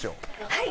はい。